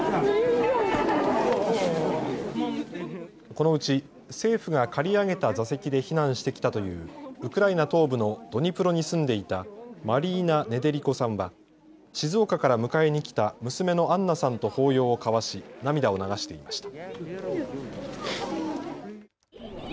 このうち政府が借り上げた座席で避難してきたというウクライナ東部のドニプロに住んでいたマリーナ・ネデリコさんは静岡から迎えに来た娘のアンナさんと抱擁を交わし涙を流していました。